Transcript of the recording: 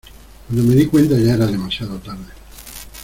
cuando me di cuenta ya era demasiado tarde.